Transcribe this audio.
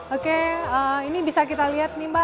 oke ini bisa kita lihat nih mbak